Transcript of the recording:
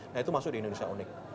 nah itu masuk di indonesia unik